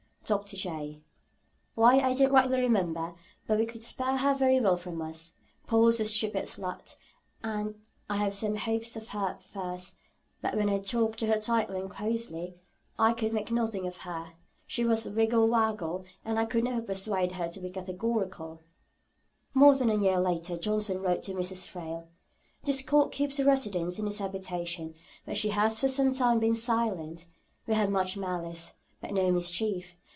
DR. J. "Why, I don't rightly remember, but we could spare her very well from us. Poll is a stupid slut. I had some hopes of her at first; but when I talked to her tightly and closely, I could make nothing of her; she was wiggle waggle, and I could never persuade her to be categorical."' Mme. D'Arblay's Diary, i. 114. More than a year later Johnson wrote to Mrs. Thrale: 'Discord keeps her residence in this habitation, but she has for some time been silent. We have much malice, but no mischief.